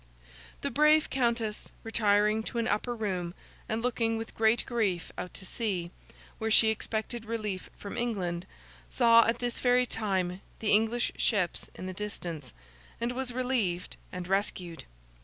The brave Countess retiring to an upper room and looking with great grief out to sea, where she expected relief from England, saw, at this very time, the English ships in the distance, and was relieved and rescued!